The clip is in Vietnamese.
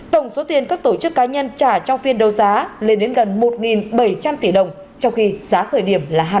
tổng số tiền các tổ chức cá nhân trả trong phiên đấu giá lên đến gần một bảy trăm linh tỷ đồng trong khi giá khởi điểm là hai tỷ đồng